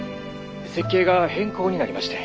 設計が変更になりましてん。